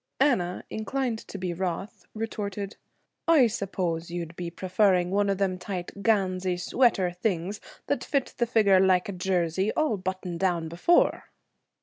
Anna, inclined to be wroth, retorted: 'I suppose you'd be preferring one o' them tight ganzy [sweater] things that fit the figger like a jersey, all buttoned down before.'